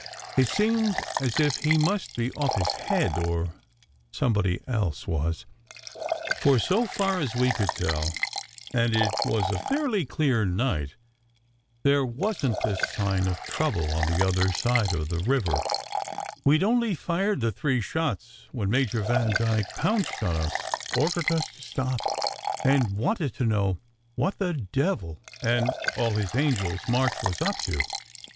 It seemed as if he must be off his head or somebody else was for so far as we could tell and it was a fairly clear night there wasn t a sign of trouble on the other side of the river. SECRET HISTORY 137 "We d only fired the three shots, when Major Vandyke pounced on us, ordered us to stop, and wanted to know what the devil and all his angels March was up to.